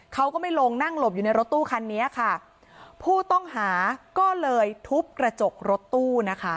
เขาก็ไม่ลงนั่งหลบอยู่ในรถตู้คันนี้ค่ะผู้ต้องหาก็เลยทุบกระจกรถตู้นะคะ